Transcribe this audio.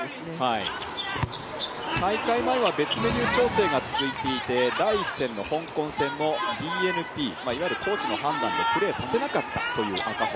大会前は別メニュー調整が続いていて第１戦の香港戦もコーチの判断で試合出場しなかったという赤穂。